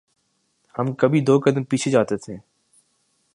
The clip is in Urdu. ہم کبھی دو قدم پیچھے جاتے تھے۔